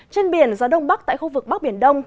trên biển gió đông bắc tại khu vực bắc biển đông